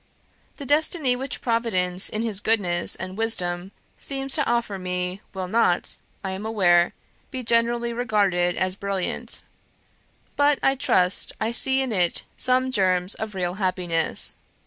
The destiny which Providence in His goodness and wisdom seems to offer me will not, I am aware, be generally regarded as brilliant, but I trust I see in it some germs of real happiness.